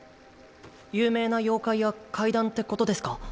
有名な妖怪や怪談ってことですか？